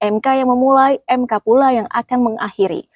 mk yang memulai mk pula yang akan mengakhiri